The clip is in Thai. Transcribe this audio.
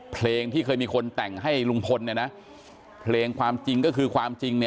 เพลงที่เคยมีคนแต่งให้ลุงพลเพลงความจริงก็คือความจริง